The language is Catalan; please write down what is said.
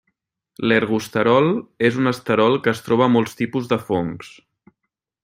L’ergosterol és un esterol que es troba a molts tipus de fongs.